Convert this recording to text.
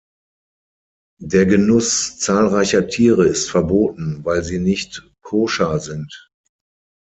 Der Genuss zahlreicher Tiere ist verboten, weil sie nicht koscher sind.